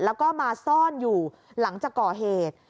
แล้วก็มาซ่อนอยู่หลังจากก่อเหตุ